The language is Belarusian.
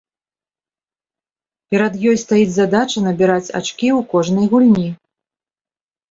Перад ёй стаіць задача набіраць ачкі ў кожнай гульні.